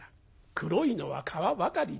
黒いのは皮ばかりでな」。